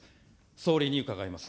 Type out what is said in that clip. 総理に伺います。